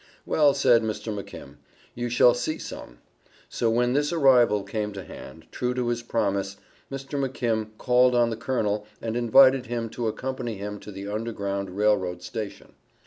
"Well," said Mr. McK., "you shall see some." So when this arrival came to hand, true to his promise, Mr. McK. called on the Colonel and invited him to accompany him to the Underground Rail Road station.